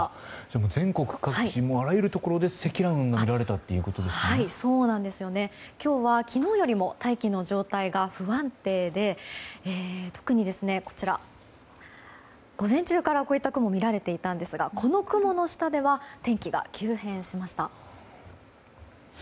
全国各地あらゆるところで積乱雲が今日は昨日よりも大気の状態が不安定で特に、午前中からこういった雲が見られていたんですがこの雲の下では天気が急変しました。